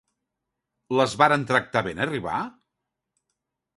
Les varen tractar bé en arribar?